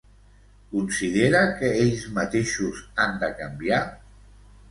Considera que ells mateixos han de canviar?